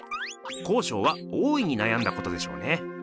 康勝は大いになやんだことでしょうね。